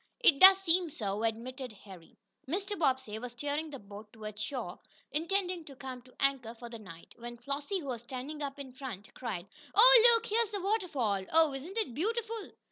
"It does seem so," admitted Harry. Mr. Bobbsey was steering the boat toward shore, intending to come to anchor for the night, when Flossie, who was standing up in front cried: "Oh, look! Here's the waterfall! Oh, isn't it beautiful!"